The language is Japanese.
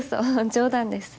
冗談です。